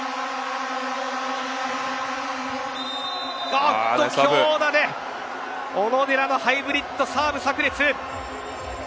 おっと強打で小野寺のハイブリッドサーブ炸裂。